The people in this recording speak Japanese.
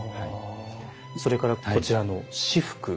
それからこちらの仕覆。